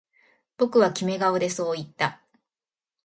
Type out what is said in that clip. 僕はキメ顔でそう言った